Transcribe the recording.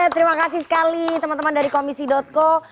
terima kasih sekali teman teman dari komisi co